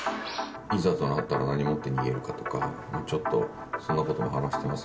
いざとなったら、何持って逃げるかとか、ちょっと、そんなことも話してます。